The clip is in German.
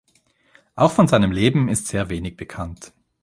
Auch von seinem Leben ist sehr wenig bekannt.